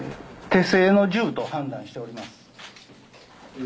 手製の銃と判断しております。